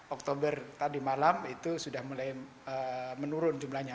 oktober tadi malam itu sudah mulai menurun jumlahnya